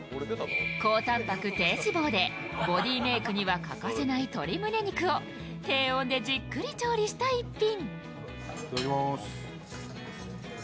高たんぱく、低脂肪でボディメイクには欠かせない鶏ムネ肉を低温でじっくり調理した一品。